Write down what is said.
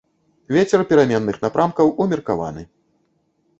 Вецер пераменных напрамкаў умеркаваны.